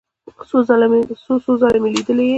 څو څو ځله مې لیدلی یې.